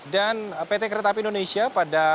dan pt kereta api indonesia pada